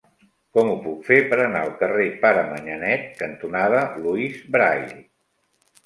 Com ho puc fer per anar al carrer Pare Manyanet cantonada Louis Braille?